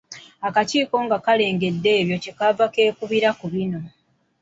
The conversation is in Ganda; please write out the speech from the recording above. Akakiiko nga kalengedde ebyo kye kaava kakubira ku bino: